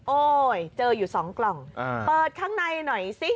เจออยู่๒กล่องเปิดข้างในหน่อยสิ